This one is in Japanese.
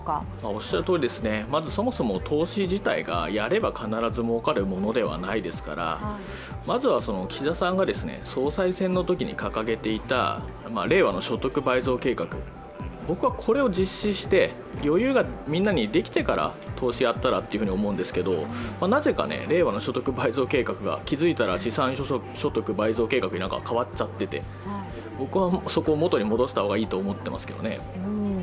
おっしゃるとおりで、そもそも投資自体がやれば必ず儲かるものではないですから、まずは岸田さんが総裁選のときに掲げていた令和の所得倍増計画、僕はこれを実施して、余裕がみんなにできてから投資やったらというふうに思うんですけれどもなぜか令和の所得倍増計画が気づいたら資産所得倍増計画に変わっちゃってて、僕はそこをもとに戻した方がいいと思っていますけどね。